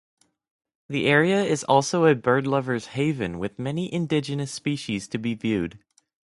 The area is also a bird-lovers haven with many indigenous species to be viewed.